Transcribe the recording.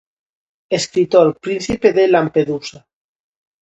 Escritor, príncipe de Lampedusa.